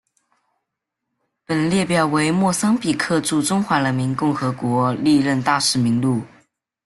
本列表为莫桑比克驻中华人民共和国历任大使名录。